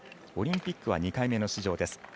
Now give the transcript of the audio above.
オリンピックは２回目の出場です。